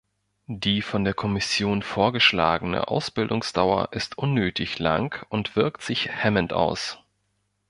Die von der Kommission vorgeschlagene Ausbildungsdauer ist unnötig lang und wirkt sich hemmend aus.